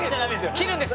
切るんです！